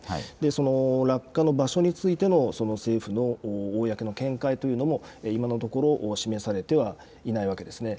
その落下の場所についての政府の公の見解というのも今のところ示されてはいないわけですね。